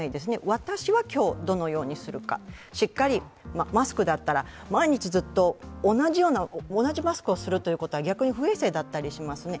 私は今日どのようにするか、マスクだったら、毎日同じマスクをするということは逆に不衛生だったりしますね。